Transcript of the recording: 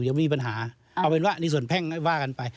เดี๋ยวมีปัญหาเอาเป็นว่าในส่วนแพ่งว่ากันไป